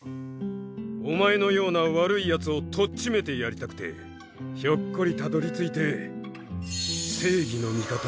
おまえのような悪いやつをとっちめてやりたくてひょっこりたどりついて「正義の味方